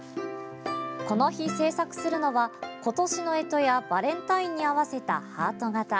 この日、制作するのは今年のえとやバレンタインに合わせたハート形。